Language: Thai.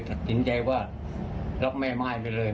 ตัดสินใจว่ารับแม่ม่ายไปเลย